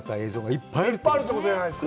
いっぱいあるということじゃないですか。